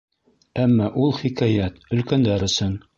Әммә ул хикәйәт — өлкәндәр өсөн.